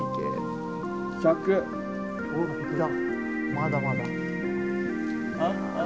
まだまだ。